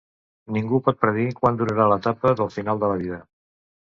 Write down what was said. Ningú pot predir quant durarà l'etapa del final de la vida.